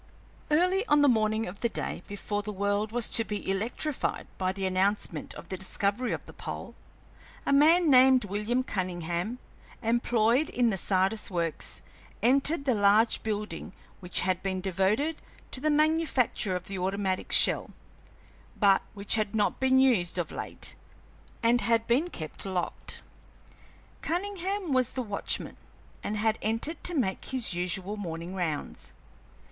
Early on the morning of the day before the world was to be electrified by the announcement of the discovery of the pole, a man named William Cunningham, employed in the Sardis Works, entered the large building which had been devoted to the manufacture of the automatic shell, but which had not been used of late and had been kept locked. Cunningham was the watchman, and had entered to make his usual morning rounds.